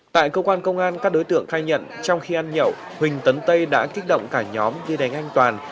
tại cơ quan công an các đối tượng khai nhận trong khi ăn nhậu huỳnh tấn tây đã kích động cả nhóm đi đánh anh toàn